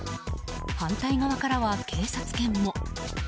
反対側からは、警察犬も。